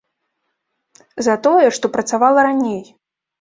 За тое, што працавала раней!